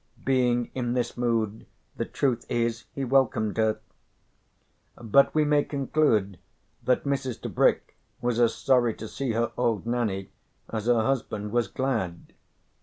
Being in this mood the truth is he welcomed her. But we may conclude that Mrs. Tebrick was as sorry to see her old Nanny as her husband was glad.